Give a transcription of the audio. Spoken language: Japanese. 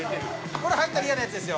これ入ったら嫌なやつです。